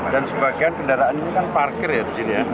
dan sebagian kendaraan ini kan parkir ya disini ya